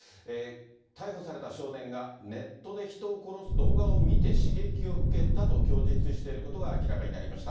逮捕された少年が、ネットで人を殺す動画を見て刺激を受けたと供述していることが明らかになりました。